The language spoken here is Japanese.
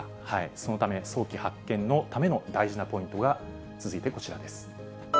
そのため、早期発見のための大事なポイントが、続いて、こちらです。